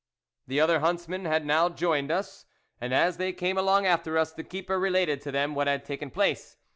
The other huntsmen had now joined us, and as they came along after us, the keeper related to them what had taken place.